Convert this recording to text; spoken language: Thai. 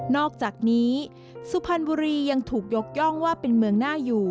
อกจากนี้สุพรรณบุรียังถูกยกย่องว่าเป็นเมืองน่าอยู่